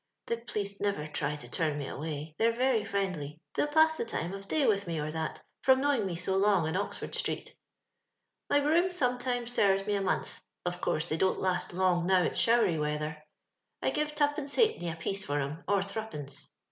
"The police never try to turn me away; they're very friendly, they'll pass the time of day with me, or that, from knowing me so long in Oxford street. " My broom sometimes serves me a month ; of course, they don't last long now it's showery weather. I give twopence halfpenny a piece for 'em, or threepence.